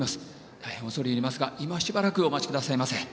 大変恐れ入りますがいましばらくお待ちくださいませ。